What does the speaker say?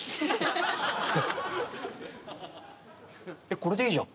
これでいいじゃん。